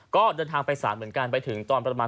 ก็เดินทางไปศาลเหมือนกันไปถึงตอนประมาณ